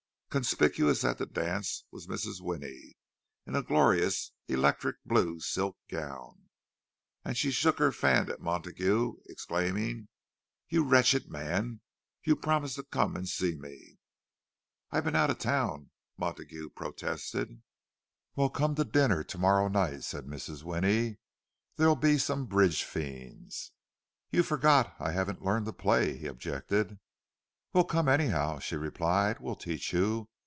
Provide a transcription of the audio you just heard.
Conspicuous at the dance was Mrs. Winnie, in a glorious electric blue silk gown. And she shook her fan at Montague, exclaiming, "You wretched man—you promised to come and see me!" "I've been out of town," Montague protested. "Well, come to dinner to morrow night," said Mrs. Winnie. "There'll be some bridge fiends." "You forget I haven't learned to play," he objected. "Well, come anyhow," she replied. "We'll teach you.